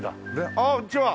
あっこんにちは。